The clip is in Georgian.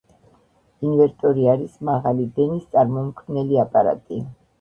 ინვერტორი არის მაღალი დენის წარმომქმნელი აპარატი.